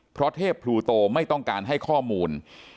เพราะเทพพลูโตไม่ต้องการให้ข้อมูล